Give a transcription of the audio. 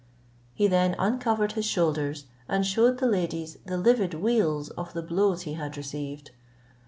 He then uncovered his shoulders, and shewed the ladies the livid weals of the blows he had received.